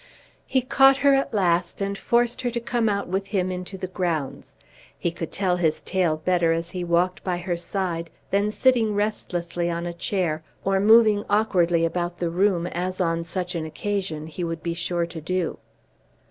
He caught her at last and forced her to come out with him into the grounds. He could tell his tale better as he walked by her side than sitting restlessly on a chair or moving awkwardly about the room as on such an occasion he would be sure to do.